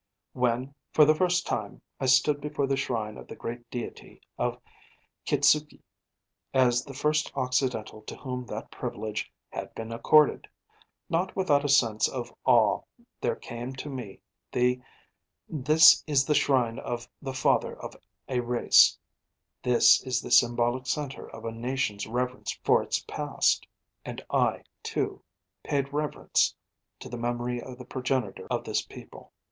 When, for the first time, I stood before the shrine of the Great Deity of Kitzuki, as the first Occidental to whom that privilege had been accorded, not without a sense of awe there came to me the Sec. 'This is the Shrine of the Father of a Race; this is the symbolic centre of a nation's reverence for its past.' And I, too, paid reverence to the memory of the progenitor of this people.